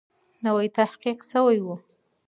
نوی تحقیق سوی وو.